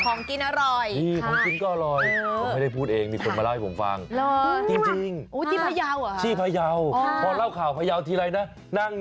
ของกินอร่อยของกินก็อร่อยก็ไม่ได้พูดเองมีคนมาเล่าให้ผมฟัง